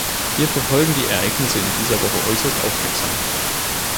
Wir verfolgen die Ereignisse in dieser Woche äußerst aufmerksam.